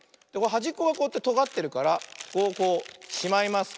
はじっこがこうやってとがってるからここをこうしまいます。